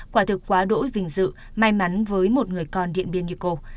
quả thực quá đỗi vinh dự may mắn với một người con điện biên như cô